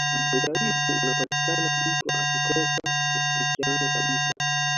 udhaifu unapatikana mtu akikosa ushirikiano kabisa